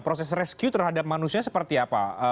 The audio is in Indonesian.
proses rescue terhadap manusia seperti apa